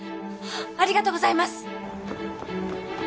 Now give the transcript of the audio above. ありがとうございます！